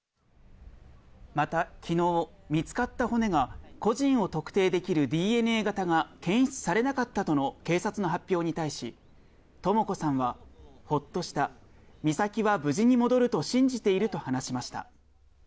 また、きのう、見つかった骨が、個人を特定できるＤＮＡ型が検出されなかったとの警察の発表に対し、とも子さんは、ほっとした、美咲は無事に戻ると信じていると話しました。